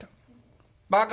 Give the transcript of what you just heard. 「バカ！